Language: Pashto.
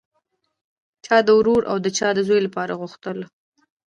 چا د ورور او چا د زوی لپاره غوښتله